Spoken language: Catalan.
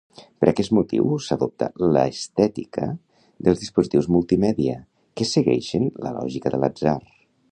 Per aquest motiu, s'adopta l'estètica dels dispositius multimèdia, que segueixen la lògica de l'atzar.